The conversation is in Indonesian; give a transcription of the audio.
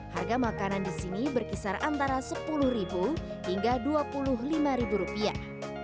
harga makanan di sini berkisar antara sepuluh hingga dua puluh lima rupiah